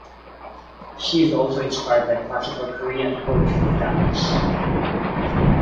She is also inspired by classical Korean poetry and dance.